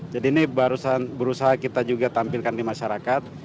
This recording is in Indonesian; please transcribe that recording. jadi ini barusan berusaha kita juga tampilkan di masyarakat